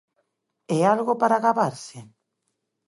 ¿É algo para gabarse?